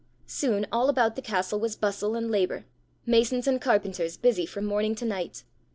Soon all about the castle was bustle and labour masons and carpenters busy from morning to night.